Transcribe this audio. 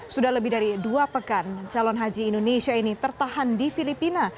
sudah lebih dari dua pekan calon haji indonesia ini tertahan di filipina